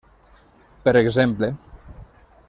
Per exemple.